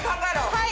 はい！